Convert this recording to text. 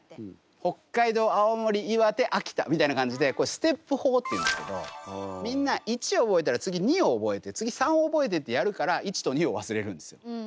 北海道青森岩手秋田みたいな感じでステップ法っていうんですけどみんな１覚えたら次２を覚えて次３覚えてってやるから１と２を忘れるんですよ。